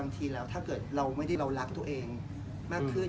ถ้าเกิดเราไม่ได้รักตัวเองมากขึ้น